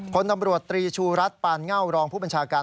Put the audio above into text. คนตำรวจตรีชูรัฐปานเง่ารองผู้บัญชาการ